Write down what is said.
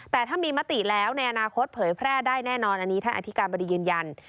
แต่ถ้ามีมติแล้วในอนาคตเผยแพร่ได้แน่นอนอันนี้ท่านอธิการบดียืนยัน